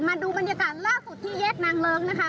มาดูบรรยากาศล่าสุดที่แยกนางเลิ้งนะคะ